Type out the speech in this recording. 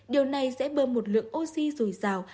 điều này sẽ bơm một lượng oxy dồi dào